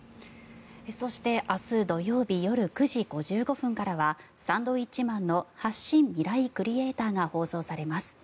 そして明日土曜日夜９時５５分からはサンドウィッチマンの「発進！未来クリエーター」が放送されます。